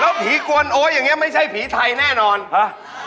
ผีกวนโอ๊ยอย่างเงี้ไม่ใช่ผีไทยแน่นอนฮะ